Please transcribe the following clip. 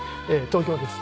東京です。